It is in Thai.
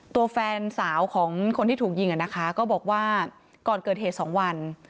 ตัวแฟนสาวของคนที่ถูกยิงอ่ะนะคะก็บอกว่าก่อนเกิดเหตุ๒วัน